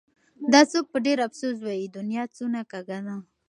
دا څوک په ډېر افسوس وايي : دنيا څونه کږه ده